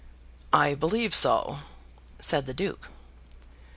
"I believe so," said the Duke.